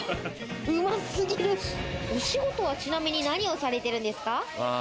お仕事はちなみに何をされているんですか？